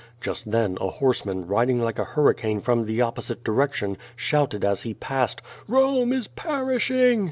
Just then, a horse man, riding like a hurricane from the opposite direction, shouted as he passed, ^'Bome is perishing!"